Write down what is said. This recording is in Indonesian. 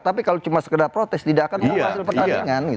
tapi kalau cuma sekedar protes tidak akan cuma hasil pertandingan